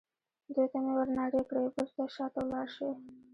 دوی ته مې ور نارې کړې: بېرته شا ته ولاړ شئ.